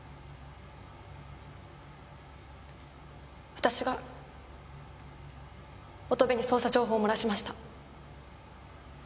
私が乙部に捜査情報を漏らしました。